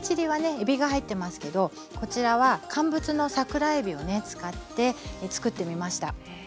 えびが入ってますけどこちらは乾物の桜えびを使って作ってみました。